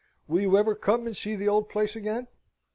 Will you ever come and see the old place again?"